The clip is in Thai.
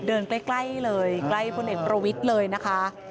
เดินใกล้เลยใกล้พลเอกประวิทย์เลยนะคะ